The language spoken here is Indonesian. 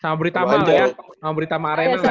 sama buritama lo ya sama buritama arena lah ya